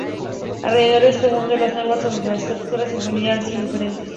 Alrededor del mundo, las normas sobre la estructura familiar son diferentes.